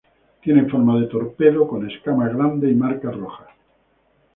Tiene forma de torpedo con escamas grandes y marcas rojas.